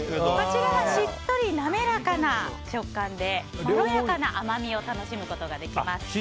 こちらはしっとりなめらかな食感でまろやかな甘みを楽しめます。